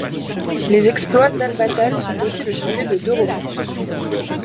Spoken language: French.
Les exploits d'Al-Battal sont aussi le sujet de deux romances.